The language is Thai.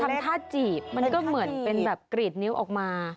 ต้องทำธาตุจีบมันก็เหมือนเป็นกรีดนิ้วออกมา